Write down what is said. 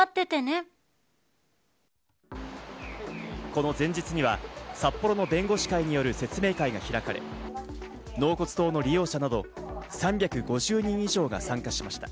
この前日には札幌の弁護士会による説明会が開かれ、納骨堂の利用者など３５０人以上が参加しました。